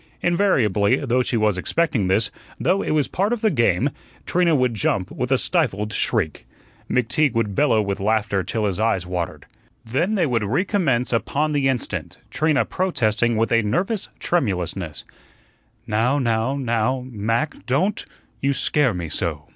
Invariably though she was expecting this, though it was part of the game Trina would jump with a stifled shriek. McTeague would bellow with laughter till his eyes watered. Then they would recommence upon the instant, Trina protesting with a nervous tremulousness: "Now now now, Mac, DON'T; you SCARE me so."